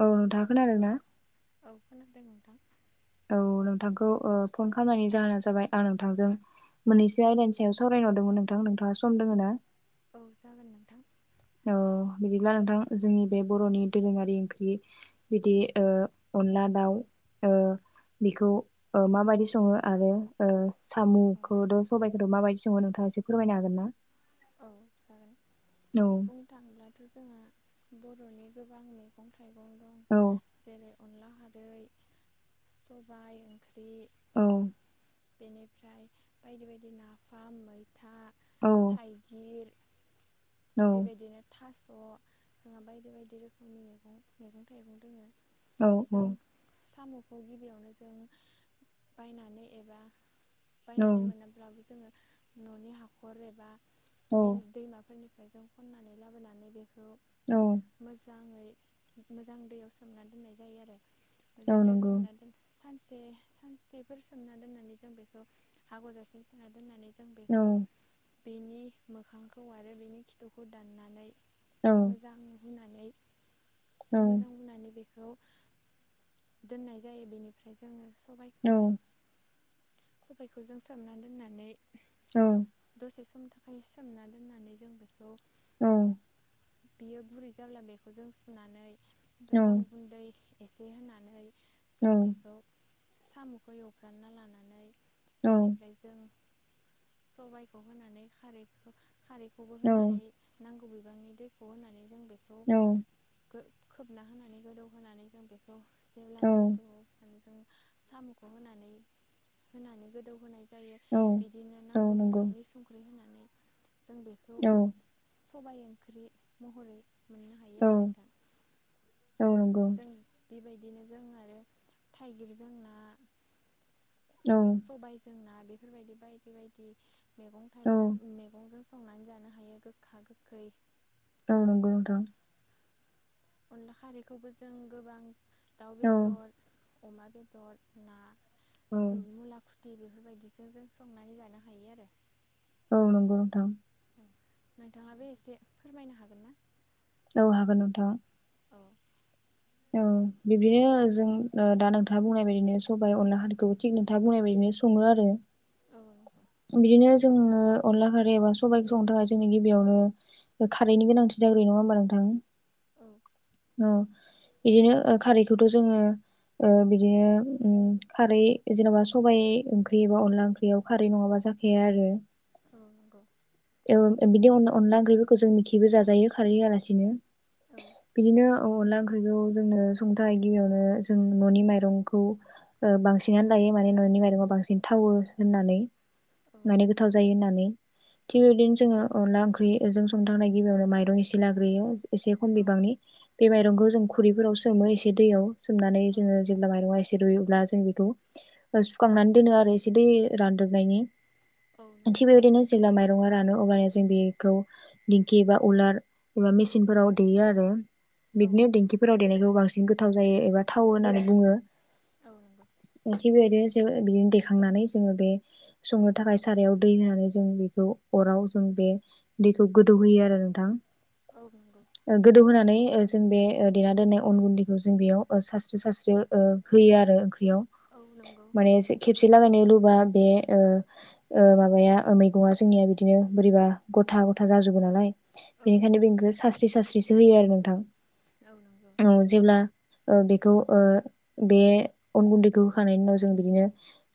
औ नोंथाङा खोनादोंना? औ खोनादों नोंथां। औ नोंथांखौ ओ फन खालामनायनि जाहोना जाबाय आं नोंथांजों मोननैसो आयदानि सायाव सावरायनो हरदोंमोन नोंथां नोंथाङा सम दोङो ना? औ जागोन नोंथां। औ बिदिब्ला नोंथां जोंनि बे बर'नि दोरोङारि ओंख्रि बिदि ओ अनला दाउ ओ बेखौ ओ माबायदि सङो आरो ओ औ सामु'खौथ' सबायाइखौथ' माबायदि सङो नोंथा ङा एसे फोरमायनो हागोन ना? औ जागोन औ बुंनो थाङोब्लाथ' जोङो बर'नि गोबां मैगं थाइ औ अनलाखारै, सबाय ओंख्रि औ बेनिफ्राय बायदि बायदि नाफाम मै औ गिर औ बेबायदिनो थास स' जोंहा बायदि बायदि रोखोमनि मैगं मैगं थाइगं दोङो। औ औ जों सामु गिबियावनो जों बायनानै एबा औ बायनानै मोनाब्लाबोबो जोङो न'नि हाखर एबा औ बिल दैमाफोरनिफ्राय जों खननानै लाबोनानै बे खौ औ मोजाङै मोजां दैयाव सोमना दोननाय जायो आरो औ मोजां दैयाव नंगौ सोमना दोन सानसे सानसेफोर सोमना दोननानै जों बेखौ हा गजासिम सोना दोननानै जों [unintelligible] औ बेनि मोखांखौ आरो बेनि खिथुखौ दाननानै औ जों मोजां हुनानै जों औ मोजां हुनानै बेखौ दोननाय जायो बेनिफ्राय जोङ सबायखौ औ सबायखौ जों सोमना दोननानै औ दसे समनि सोमना दोननानै जों बेखौ औ बियो गुरै जाब्ला बेखौ जों सुनानै अन गुन्दै एसे होनानै औ जों बेखौ साम'खौ एवफ्रानना लानानै बेनिफ्राय जों सबायखौ होनानै खारैखौबो औ होनानै नांगौ नांगौ बिबांनि दैखौ होनानै जों बेखौ खोबना होनानै गोदौ होनानै जों बेखौ औ जेब्लानो गोदौओ जों साम'खौ होनानै होनानै गोदौ होनाय जायो औ बिदिनो औ नांगौ नंगौ बिबांनि संख्रि होना जों बेखौ औ सबाय ओंख्रि महरै मोननो हायो औ आरो नोंथां औ नंगौ। जों बेबायदिनो जों आरो थाइगिर जों ना औ सबाय जोंना बेफोरबायदि बायदि बायदि मैगं औ थाइगं मैगंजों संनानै जानो हायो गोखा गोखै औ नंगौ नोंथां। अनला खारैखौबो जों गोबां दाउ बेदर अमा बेदर ना मुला खुथि बेफोरबायदिजों जों संनानै जानो हायो आरो। औ नंगौं नोंथां। नोंथाङा बे एसे फोरमायनो हागोन ना? औ हागोन नोंथां। औ औ बिब्दिनो जों दा नोंथाङा बुंनाय बायदिनो सबाइ अनला खारिखौ थिक नोंथाङा बुंनाय बायदिनो सङो आरो औ नंगौ बिदिनो जोङो अनला खारि एबा सबाइखौ संनो थाखाय जोंनि गिबियावनो खारैनि गोनांथि जाग्रोयो नङा होमबा नोंथां? औ औ बिदिनो खारै खौथ' जोङो बिदिनो खारै जेनेबा सबाइ ओंख्रि एबा अनला ओंख्रियाव खार खारै नङाबा जाखाया आरो। औ नंगौ बिदि अनला ओंख्रिफोरखौ जों मिखिबो जाजायो खारै हैआलासिनो औ बिदिनो अनला ओंख्रिखौ जोंनो संनो थाखाय गिबियावनो जों न'नि माइरंखौ बांसिनानो लायो माने न'नि माइरंखौ बांसिन थावो होननानै माने औ गोथाव जायो होननानै। थिग बेबायदिनो जोङो अनला ओंख्रिजों संनो थांनाय गिबियावनो माइरं एसे लाग्रोयो। एसे खम औ बिबांनि बे औ माइरंखौ जों खुरैफोराव सोमो एसे दैयाव सोमनानै औ जोङो जेब्ला माइरं आ रुयोब्ला जों बेखौ सुखांनानै दोनो आरो एसे दै रानदोबनायनि। थि नंगौ बेबायदिनो जेब्ला माइरं रानो अब्ल जों बेखौ दिंखि एबा उलार एबा मेसिनफोराव देयो आरो औ बिदिनो नंगौ देंखिफोराव देनायखौ बांसिन गोथाव जायो एबा थावो होननानै बुङो। औ नंगौ [inaudible] थिग बेबायदिनो जों बिदिनो देखांनानै जोङो बे संनो थाखाय सारायाव दै होनानै जों बेखौ अराव जों बे दैखौ गोदौहोयो आरो नोंथां। औ नंगौ गोदौ होनानै जों बे देना दोननाय अन गुन्दैखौ जों बेयाव सासस्रि सासस्रि होयो आरो औ नंगौ माने एसे खेबसे [unintelligible] बिदिनो बोरैबा गथा गथा जाजोबो नालाय? औ बेनिखायनो नंगौ बेखौ सास्रि सास्रिसो होयो आरो नोंथां। औ नंगौ औ जेब्ला ओ बेखौ ओ बे अन गुन्दैखौ होखांनायनि उनाव जों बिदिनो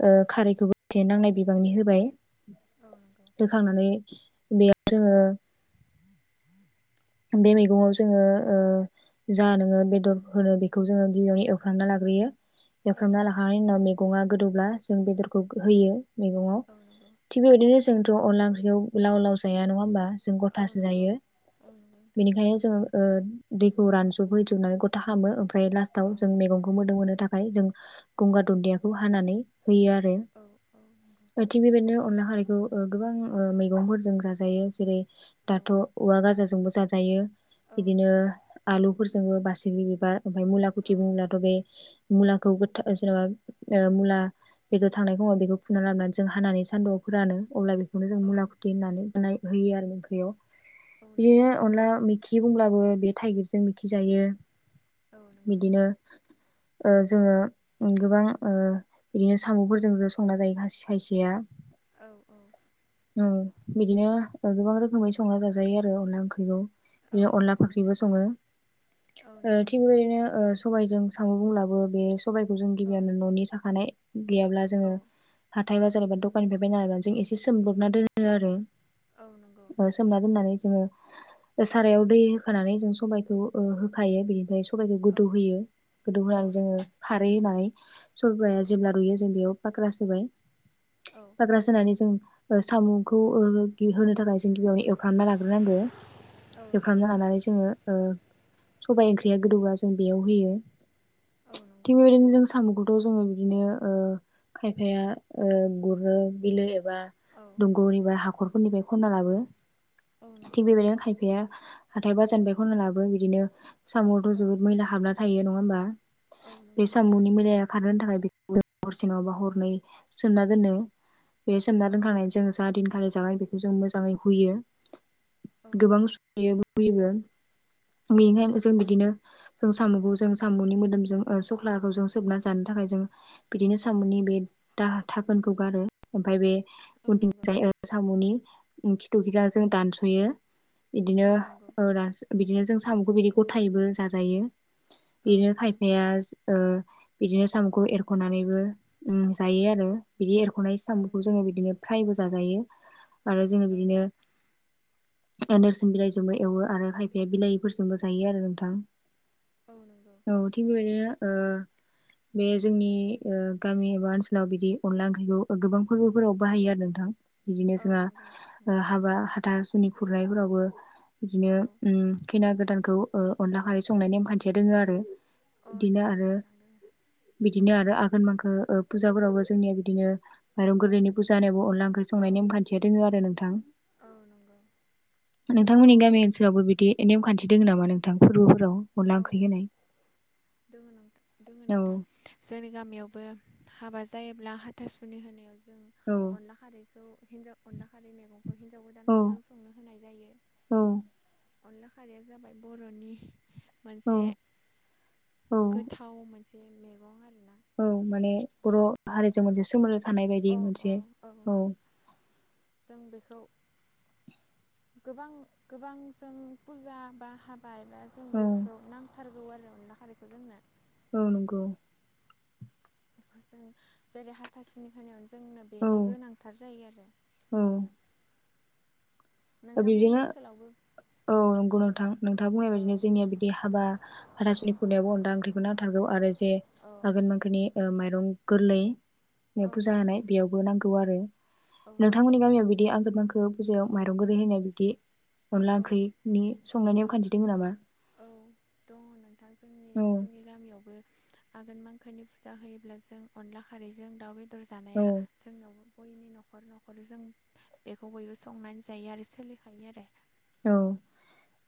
ओ खारैखौबो एसे नांनाय बिबांनि होबाय। औ नंगौ होखांनानै बेयाव जोङो बे मैगंआव जोङो ओ जा नोङो बेदर होनो बेखौ जोङो गिबियावनो एवफ्रामना ला ग्रोयो। औ एवफ्रामना नंगौ लाखांनायनि उनाव मैगङा गोदौब्ला जों बेदरखौ होयो मैगङाव। औ नंगौ थिग बेबायदिनो जोंथ' अनला ओंख्रिखौ लाव लाव जाया नङा होमबा? जों औ गथासो नंगौ जायो। औ नंगौ नोंथां बेनिखायनो जोङो ओ दैखौ रानजब होजोबनानै गथा खामो ओमफ्राय लास्टाव औ जों मेगंखौ मोदोम होनो थाखाय जों गंगार दुन्दियाखौ हानानै होयो आरो। औ औ नंगौ बेथिं बेबायदिनो अनला खारै खौ ओ गोबां ओ मैगंफोरजों जाजायो जेरै औ दाथ' औवा गाजाजोंबो जाजायो। औ बिदिनो नंगौ आलुफोर जोङो बाासग्रि बिबार ओमफ्राय मुला खुथि औ बुङ्लाथ' बे मुलाखौ गोथ जेनेबा ओ मुला बेखौ थांनाय समाव बेखौ फुना लाबोनानै जों हानानै सान्दुआव फोरानो अब्ला बे खौनो जों औ मुलाखुथि होननानै बनाय होयो आरो ओंख्रियाव। औ नंगौ बिदिनो नोंथां मिखि बुंब्लाबो बे थाइगिरजों मिखि जायो। औ नंगौ बिदिनो ओ जोङो गोबां ओ बिदिनो साम'फोरजोंबो संना जायो खायसे खायसेया। औ औ औ बिदिनो ओ गोबां रोखोमै संना जाजायो आरो अनला ओं ख्रिखौ। औ बेयाव अनला नंगौ फाख्रिबो नोंथां सङो। औ ओ नंगौ थिग बेबायदिनो ओ सबायजों साम' बुंब्लाबो बे सबायखौ जों औ गिबियावनो न'नि थाखानाय गैयाब्ला जोङो औ हाथाय बाजार एबा दखाननिफ्राय बायना जों एसे सोमब्रबना दोनो आरो। औ नंगौ ओ सोमना दोननानै जोङो सारायाव दै होखानानै जों सबाइखौ ओ होखायो। बिनिफ्राय सबाइखौ औ गोदौहोयो। गोदौ औ नंगौ औ होनानै जोङो नंगौ खारै होननानै सबाइआ जेब्ला रुइयो जों बेयाव फाग्रा सोबाय। फाग्रा सोनानै जों ओ साम'खौ होनो थाखाय जों गिबियावनो एवफ्रामना लाग्रोनांगौ। एवफ्रामना लानानै जोङो ओ सबाइ ओंख्रिया गोदौब्ला जों बेयाव होयो औ नंगौ थिग बेबायदिनो नोंथां जों साम'खौ थ' जोङो बिदिनो ओ खायफाया ओ गुरो बिलो एबा औ औ दंग' एबा हाखरफोरनिफ्राय खशना लाबो थिग नंगौ बेबायदिनो खायफाया हाथाय बाजार निफ्राय खनना लाबोयो। बिदिनो साम'आवथ' औ जोबोद मैला हाबना थायो नङा होमबा? औ बे नंगौ नोंथां साम'नि मैलाया खारहोनो थाखाय बेखौ जों हरसे नङाबा हरनै सोमना दोनो। बे सोमना औ दोनखांनानै नंगौ जों जा दिनखालि जागोन बेखौ जों मोजाङै हुयो। औ गोबां नंगौ सुयोबो हुयोबो। औ नंगौ बेनिखायनो जों नोंथां बिदिनो जों साम'खौ जों साम'नि मोदोमजों ओ सख्लाखौ जों सोबना जानो थाखाय जों बिदिनो साम'नि बे दा दागोन खौ गारो। ओमफ्राय बे औ नंगौ उन्थिंजाय ओ साम'नि खिथुखिजा जों दानस'यो। बिदिनो औ नंगौ ओ दानस बिदिनो जों साम'खौ बिदि गथायैबो जाजायो। औ बेदिनो नंगौ खायफाया ओ बिदिनो साम'खौ एरख'नानैबो ओ जायो आरो। बिदि एरख नाय औ सामब'खौ नंगौ जोङो नोंथां बिदिनो फ्रायबो जाजायो। आरो जोङो औ बिदिनो नेरसिं बिलाइजोंबो एवो आरो खायफाया बिलाहिफोरजोंबो जायो आरो नोंथां। औ नंगौ औ थिग बेबायदिनो ओ बे जोंनि ओ गामि एबा ओनसोलाव बिदि अनला ओंख्रिखौ गोबां फोरबोफोराव बाहायो आरो नोंथां। बिदिनो औ जोंहा नंगौ ओ नंगौ हाबा हाथासुनि खुरनायफोरावबो बिदिनो औ उम खैना गोदानखौ ओ अनला खारै संनाय नेमखान्थिया दोङो आरो। औ बिदिनो दोङो आरो नोंथां दोङो बिदिनो आरो आ गोनमाखो फुजाफोरावबो जोंनिया बिदिनो माइरं गोरलैनि फुजा होनाय ब अनला ओंख्रि औ संनाय नेमखान्थिया दोङो आरो नोंथां। औ नंगौ नोंथांमोननि गामि ओनसोलावबो बिदि नेम खान्थि दोङो नामा नोंथां फोर्बोफोर राव' अनला औ ओंख्रि होनाय। दोङो नों दोङो औ नोंथां जोंनि गामियाव बो हाबा जायाब्ला हाथासुनि होनायाव जों औ अनला खारैखौ हिनजाव अनला खा खारै मेगंखो हिन्जाव औ गोदानखौ जों संनो होनाय जायो। औ अनला खारिया जाबाय बर'नि औ मोनसे औ गोथाव मोनसे मैगं आरो औ माने बर' हारिजों मोनसे सोमोन्दो थानाय बायदि अ अ मोनसे औ जों बेखौ गोबां गोबां जों फुजा बा हाब बा एबा जों औ बेखौ नांथारगौ आरो अनला खारैखो जोंनो औ नोंगौ। बेफोरजों जेरै हाथासुनि होनायाव जोंनो औ बेनि गोनांथार जायो आरो। औ नोंथांमोननि बिब्दिनो ओनसोलावबो औ नोंगौ नोंथां नोंथाङा बुंनाय औ बायदिनो जोंनिया बिदि हाबा हाथासुनि खुरनायावबो अनदा ओं ख्रिखौ नांथारगौ आरो जे औ आगोन मांखोनि ओ माइरं गोरलै औ ने फुजा होनाय बेयावबो नांगौ आरो औ नंगौ नोंथांमोननि गामियाव बिदि आंगो नांखो फुजायाव माइ दं गोदै होनाय बिदि अनला औ ओंख्रि नि संनाय नेमखान्थि दोङो नामा? दा जोंनि औ जोंनि गामियावबो आघोन मांखोनि फुजा होयोब्ला जों अनला खारैजों दाउ बेदर जानाया औ जोंनाव गयनि न'खर न'खर जों बेखौ बयबो संनानै जायो आरो सोलिखायो आरो औ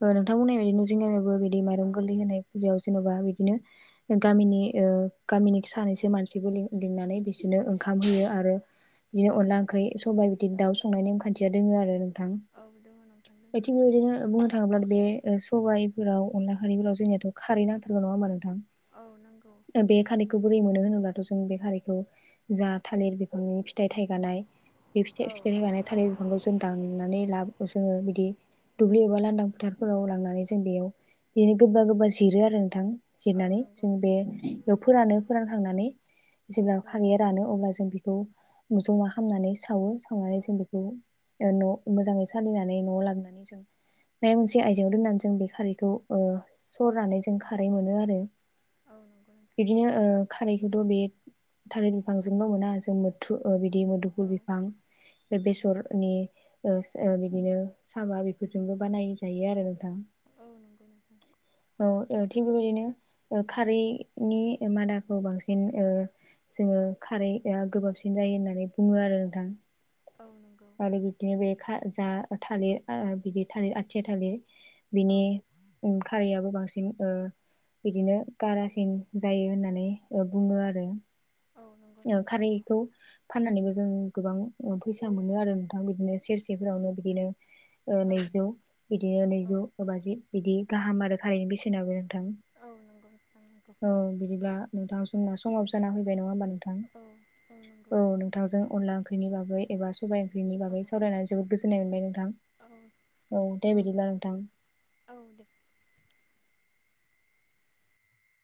ओ नोंथां बुंनाय बायदिनो जोंनि बिदि औ माइरं गोरलै होनाय फुजायाव जेन'बा बि दिनो गामिनि ओ गामिनि सानैसो मानसिबो लि लिंनानै बिस दिनो ओंखाम औ होयो आरो इदिनो औ अनला ओंख्रि सबाय बिदि दाउ संनाय नेम खान्थिया दोङो आरो। थां औ दङ नोंथां दङ ज बिदिनो बुंनो थाङोब्ला बे सबायफोराव अनला खारैफोराव जोंनियाथ' खारै नांथारगौ नङाहोमबा नोंथां? औ नोंगौ। थुबुरै मोनो होनोबाथ' जों बे खारैखौ जा थालिर बिफांनि फिथाइ थाइगानाय बे फिथेर औ फिथर होगानाय औ थालिर बिफांखौ जों दनानै लाबो जोङो बिदि दुब्लि एबा लांदां फोथारफोराव लांनानै जों बेयाव बिदिनो गोबा गोबा जिरो आरो नोंथां। जिरनानै नंगौ जों बे नोंथां नंगौ बेयाव फोरानो फोरानखांनानै जेब्ला औ खारैया रानो अब्ला जों थौ जमा खालामनानै सावो औ सावनानै जों बेखौ न' मोजाङै सालिनानै न'आव लांना नै जों बै मोनसे आयज दोननानै जों बे खारैखौ ओ औ सरनानै जों खारै मोनो आरो। नो औ नंगौ नोंथां बिदिनो ओ खारैखौथ' बे थालिर बिफांजोंल मोना जों मोथथु ओ बिदि मोदोफुल औ बिफां बे बेसरनि ओ बिदिनो साबा बेफोरजोंबो बानाय जायो आरो नोंथां औ नंगौ नोंथां थिग बेबायदिनो ओ खारैनि मादाखौ बांसिन ओ जोङो खारै ओ गोबाबसिन जायो होननानै बुङो आरो नोंथां औ नंगौ औ नंगौ नोंथां नंगौ आरो बिब्दिनो बे खा जा थालिर आ बिदि थालिर आथिया थालिर औ बिनि ओं खारैयाबो बांसिन सिं ओ बिदिनो कारासिन जायो होननानै ओ बुङो आरो औ नंगौ औ नंगौ ओ नोंथां नंगौ खारैखौ फाननानैबो जों गोबां फैसा मोनो आरो नोंथां बिदिनो सेरसेफोराव हनो बिदिनो औ नैजौ बिदिनो नैजौ बाजि बिदि गाहाम आरो खारैनि बेसेनाबो नंगौ औ बिदिबा नोंथां समना समाव जाना फैबाय नङा होमबा नों औ नोंथांजों अनला ओंख्रिनि बागै एबा सबाय बेनि बागै सावरायनानै जोबोद गोजोननाय मोनबाय नोंथां। नोंथां औ दे बिदिब्ला नोंथां [inaudible] औ दे